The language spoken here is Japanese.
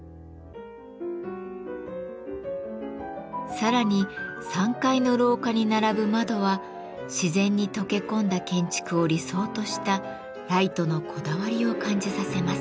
さらに３階の廊下に並ぶ窓は自然に溶け込んだ建築を理想としたライトのこだわりを感じさせます。